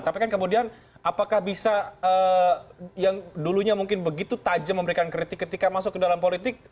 tapi kan kemudian apakah bisa yang dulunya mungkin begitu tajam memberikan kritik ketika masuk ke dalam politik